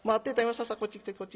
さあさこっち来てこっち来て。